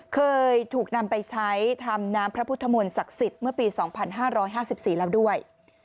เคยถูกนำไปใช้ทำน้ำพระพุทธมนต์ศักดิ์สิทธิ์เมื่อปี๒๕๕๔แล้วด้วย